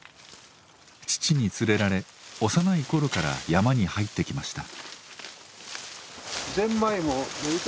父に連れられ幼い頃から山に入ってきました。